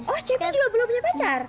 oh cepi juga belum punya pacar